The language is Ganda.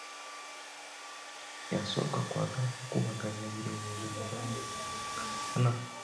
Yasooka kwagala kukubaganya birowoozo ne bamugaana.